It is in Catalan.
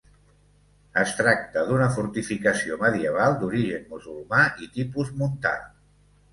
Es tracta d'una fortificació medieval d'origen musulmà i tipus montà.